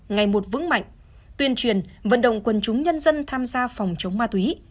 ngày một vững mạnh tuyên truyền vận động quân chúng nhân dân tham gia phòng chống ma túy